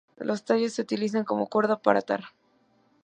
Los tallos se utilizan como cuerda para atar.